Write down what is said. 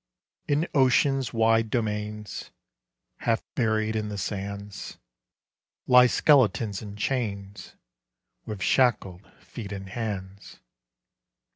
In Ocean's wide domains, Half buried in the sands, Lie skeletons in chains, With shackled feet and hands.